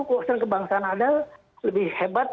kewasan kebangsaan adalah lebih hebat